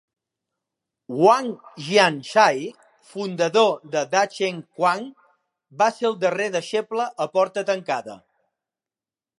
Wang Xiangzhai, fundador de dachengquan, va ser el seu darrer deixeble a porta tancada.